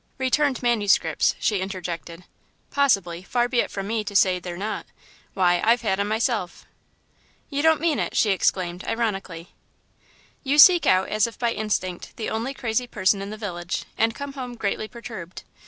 "Returned manuscripts," she interjected. "Possibly far be it from me to say they're not. Why, I've had 'em myself." "You don't mean it!" she exclaimed, ironically. "You seek out, as if by instinct, the only crazy person in the village, and come home greatly perturbed.